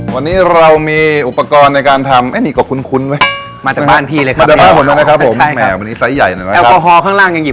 วันนี้เรามีอุปกรณ์ในการทำเอ๊ะนี่กำลังคุ้นคุ้นไว้